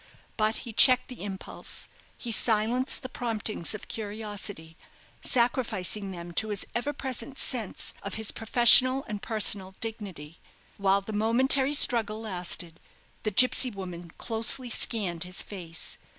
But he checked the impulse, he silenced the promptings of curiosity, sacrificing them to his ever present sense of his professional and personal dignity. While the momentary struggle lasted, the gipsy woman closely scanned his face.